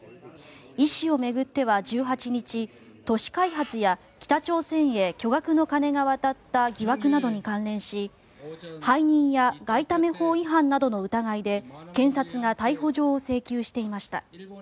イ氏を巡っては１８日土地開発や北朝鮮へ巨額の金が渡った疑惑などに関連し背任や外為法違反などの疑いで検察が逮捕状を請求していました。